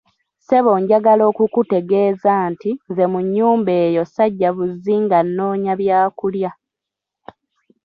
Ssebo njagala okukutegeeza nti nze mu nnyumba eyo sajja buzzi nga nnoonya byakulya.